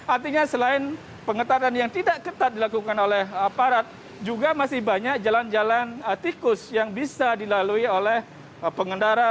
artinya selain pengetatan yang tidak ketat dilakukan oleh aparat juga masih banyak jalan jalan tikus yang bisa dilalui oleh pengendara